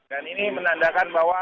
dan ini menandakan bahwa